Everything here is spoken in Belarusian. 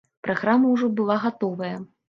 Праграма ўжо была гатовая.